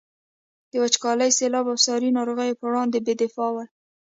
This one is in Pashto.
د وچکالي، سیلاب او ساري ناروغیو پر وړاندې بې دفاع ول.